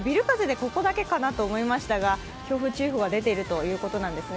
ここだけかと思いましたが強風注意報が出ているということですね。